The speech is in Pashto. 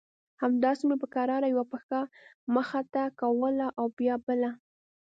همداسې مې په کراره يوه پښه مخته کوله او بيا بله.